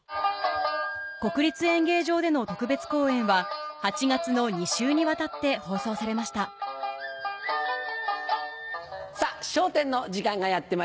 国立演芸場での特別公演は８月の２週にわたって放送されましたさぁ『笑点』の時間がやってまいりました。